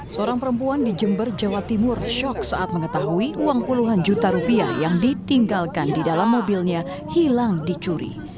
seorang perempuan di jember jawa timur shock saat mengetahui uang puluhan juta rupiah yang ditinggalkan di dalam mobilnya hilang dicuri